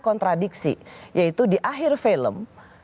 kontradiksi yaitu di akhir film